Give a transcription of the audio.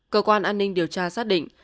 cơ quan an ninh điều tra xác định